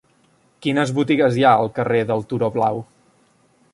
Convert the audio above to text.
Quines botigues hi ha al carrer del Turó Blau?